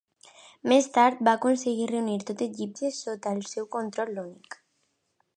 Més tard, va aconseguir reunir tot Egipte sota el seu control únic.